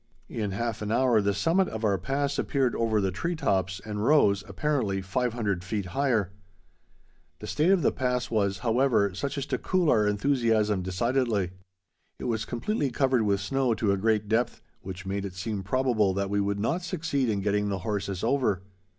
In half an hour, the summit of our pass appeared over the tree tops, and rose, apparently, 500 feet higher. The state of the pass was, however such as to cool our enthusiasm decidedly. It was completely covered with snow to a great depth, which made it seem probable that we would not succeed in getting the horses over.